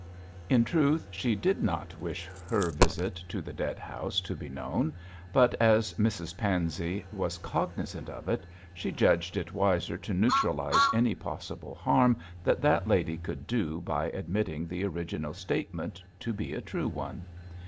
In truth, she did not wish her visit to the dead house to be known, but as Mrs Pansey was cognisant of it, she judged it wiser to neutralise any possible harm that that lady could do by admitting the original statement to be a true one.